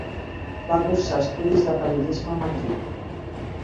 Va cursar estudis de periodisme a Madrid.